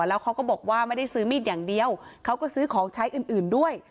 แล้วเขาก็บอกว่าไม่ได้ซื้อมีดอย่างเดียวเขาก็ซื้อของใช้อื่นด้วย